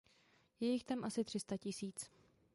Je jich tam asi tři sta tisíc.